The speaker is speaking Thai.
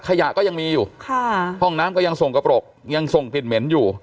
ขยะก็ยังมีอยู่ค่ะห้องน้ำก็ยังส่งกระปรกยังส่งกลิ่นเหม็นอยู่